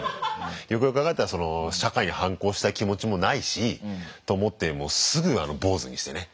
よくよく考えたら社会に反抗したい気持ちもないしと思ってすぐ坊主にしてね。